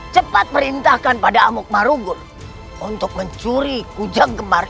cepat perintahkan pada amuk marugun untuk mencuri kujang gemar